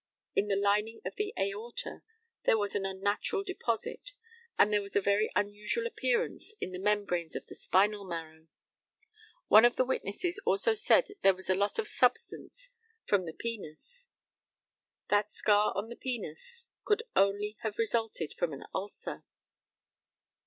In the lining of the aorta there was an unnatural deposit, and there was a very unusual appearance in the membranes of the spinal marrow. One of the witnesses also said that there was a loss of substance from the penis. That scar on the penis could only have resulted from an ulcer.